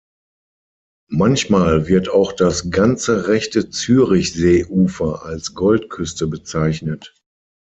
Manchmal wird auch das ganze rechte Zürichseeufer als Goldküste bezeichnet.